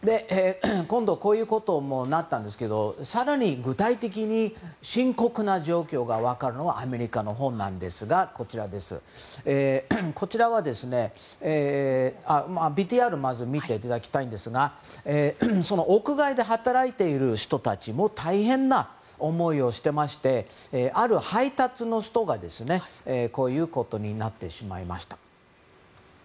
こういうことになったんですが更に具体的に深刻な状況が分かるのはアメリカのほうなんですがまずはＶＴＲを見ていただきたいんですが屋外で働いている人たちも大変な思いをしていましてある配達の人が、こういうことになってしまいました。